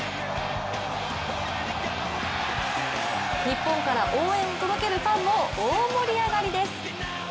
日本から応援を届けるファンも、大盛り上がりです！